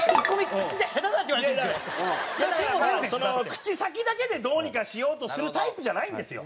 口先だけでどうにかしようとするタイプじゃないんですよ。